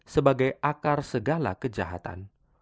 sebagai akar segala kejahatan